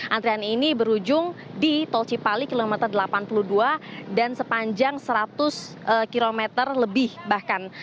antrian ini berujung di tol cipali kilometer delapan puluh dua dan sepanjang seratus km lebih bahkan